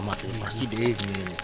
masih pasti dingin